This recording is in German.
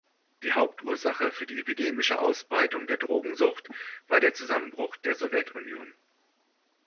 Die Hauptursache für die epidemische Ausbreitung der Drogensucht war der Zusammenbruch der Sowjetunion.